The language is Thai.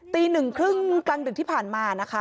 ตีหนึ่งครึ่งกลางดึกที่ผ่านมานะคะ